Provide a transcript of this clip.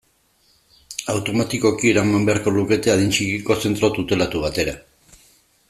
Automatikoki eraman beharko lukete adin txikiko zentro tutelatu batera.